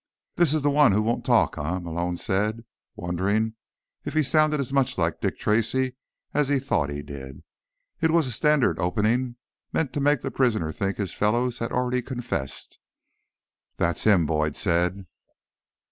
"This is the one who won't talk, eh?" Malone said, wondering if he sounded as much like Dick Tracy as he thought he did. It was a standard opening, meant to make the prisoner think his fellows had already confessed. "That's him," Boyd said.